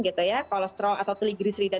gitu ya kolesterol atau teligris ridah